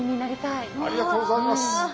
ありがとうございます！